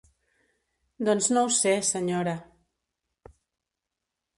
Doncs no ho sé, senyora.